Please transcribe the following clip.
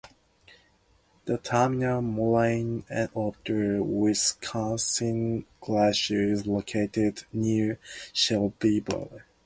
The terminal moraine of the Wisconsin Glacier is located near Shelbyville.